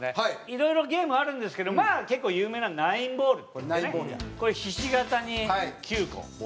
いろいろゲームあるんですけどまあ結構有名なこれひし形に９個ボールを。